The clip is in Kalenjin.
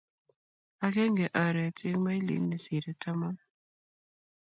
Agenge oret eng' mailit ne sirei taman